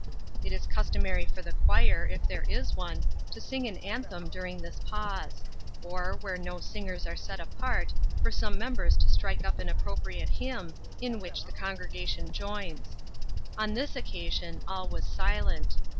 It is customary for the choir, if there is one, to sing an anthem during this pause; or, where no singers are set apart, for some members to strike up an appropriate hymn, in which the congregation joins. On this occasion, all was silent.